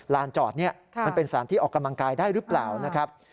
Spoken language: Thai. จอดนี่มันเป็นสารที่ออกกำลังกายได้หรือเปล่านะครับ